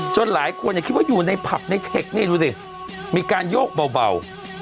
หลายคนคิดว่าอยู่ในผับในเทคนี่ดูดิมีการโยกเบา